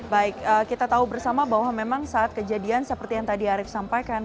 baik kita tahu bersama bahwa memang saat kejadian seperti yang tadi arief sampaikan